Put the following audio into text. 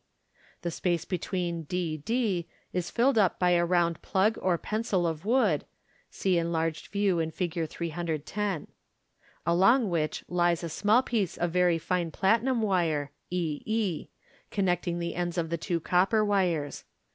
The space between d d is filled up by a round plug or pencil of wood (see enlarg d view in Fig 310), along which lies a small piece of very fine platinum wire e e, connecting the ends of the two copper wires.